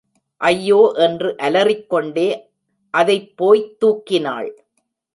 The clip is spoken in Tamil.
ஐயோ என்று அலறிக்கொண்டே அதைப் போய்த் தூக்கினாள்.